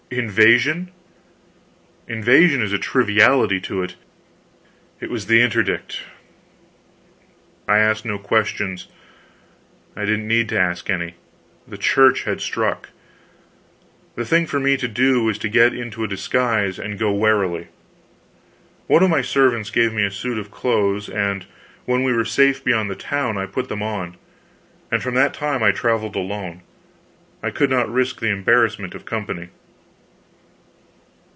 Invasion? Invasion is a triviality to it. It was the INTERDICT! I asked no questions; I didn't need to ask any. The Church had struck; the thing for me to do was to get into a disguise, and go warily. One of my servants gave me a suit of clothes, and when we were safe beyond the town I put them on, and from that time I traveled alone; I could not risk the embarrassment of company.